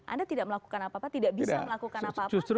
anda tidak melakukan apa apa tidak bisa melakukan apa apa